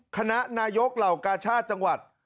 คณะนายกเหล่ากาชาติจังหวัด